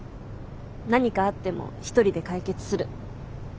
何かあっても一人で解決する。